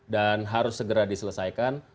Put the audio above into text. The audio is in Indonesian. dan harus segera diselesaikan